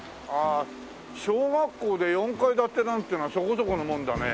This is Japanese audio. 小学校で４階建てなんていうのはそこそこのものだね。